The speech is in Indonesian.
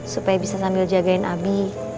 supaya bisa sambil jagain abi